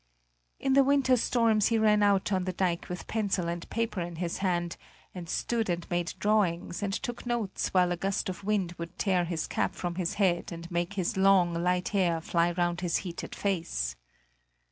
In the winter storms he ran out on the dike with pencil and paper in his hand, and stood and made drawings and took notes while a gust of wind would tear his cap from his head and make his long, light hair fly round his heated face.